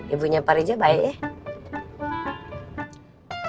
ibunya pak rija baik ya